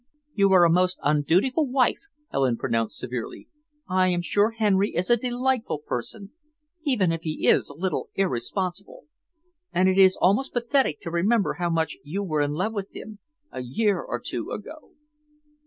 "You are a most undutiful wife," Helen pronounced severely. "I am sure Henry is a delightful person, even if he is a little irresponsible, and it is almost pathetic to remember how much you were in love with him, a year or two ago."